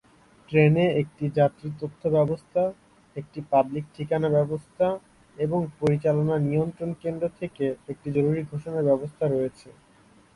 ট্রেনে একটি যাত্রী তথ্য ব্যবস্থা, একটি পাবলিক ঠিকানা ব্যবস্থা এবং পরিচালনা নিয়ন্ত্রণ কেন্দ্র থেকে একটি জরুরী ঘোষণার ব্যবস্থা রয়েছে।